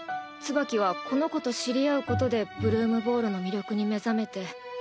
ツバキはこの子と知り合うことでブルームボールの魅力に目覚めて。